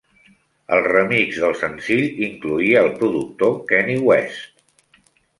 El remix del senzill incloïa el productor Kanye West.